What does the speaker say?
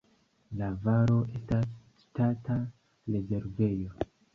La valo estas ŝtata rezervejo.